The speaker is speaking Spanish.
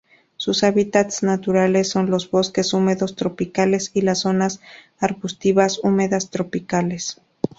Sus hábitats naturales son los bosques húmedos tropicales y las zonas arbustivas húmedas tropicales.